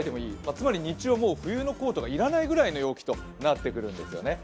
つまり日中はもう冬のコートが要らないくらいの陽気になってくるんですね。